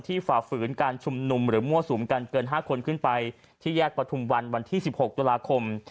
ฝ่าฝืนการชุมนุมหรือมั่วสุมกันเกิน๕คนขึ้นไปที่แยกประทุมวันวันที่๑๖ตุลาคม